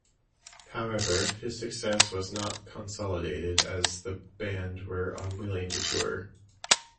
However, this success was not consolidated as the band were unwilling to tour.